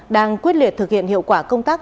đang quyết liệt thực hiện hiệu quả công tác